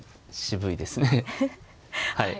はい。